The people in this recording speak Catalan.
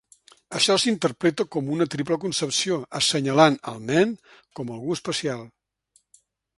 Això s'interpreta com una triple concepció, assenyalant el nen com algú especial.